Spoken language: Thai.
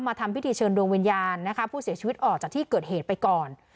ทำพิธีเชิญดวงวิญญาณนะคะผู้เสียชีวิตออกจากที่เกิดเหตุไปก่อน